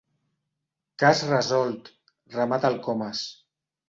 Cas resolt —remata el Comas—.